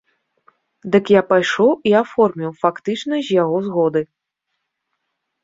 Дык я пайшоў і аформіў, фактычна з яго згоды.